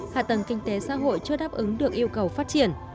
hạ tầng kinh tế xã hội chưa đáp ứng được yêu cầu phát triển